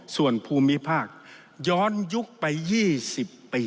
ส่วนภูมิภาคย้อนยุคไป๒๐ปี